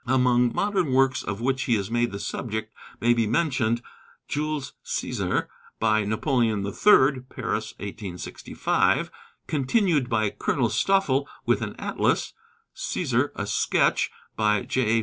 Among modern works of which he is made the subject may be mentioned 'Jules César,' by Napoleon III. (Paris, 1865); continued by Colonel Stoffel, with an Atlas; 'Cæsar, a Sketch,' by J.